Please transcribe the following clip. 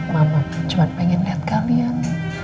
mama cuma pengen liat kalian